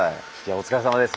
お疲れさまです